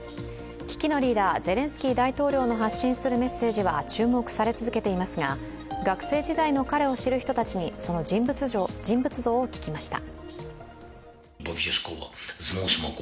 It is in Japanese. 危機のリーダー、ゼレンスキー大統領の発信するメッセージは注目され続けていますが学生時代の彼を知る人たちに、その人物像を聞きました。